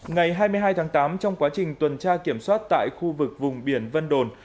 ngày hai mươi hai tháng tám trong quá trình tuần tra kiểm soát tại khu vực vùng biển vân đồn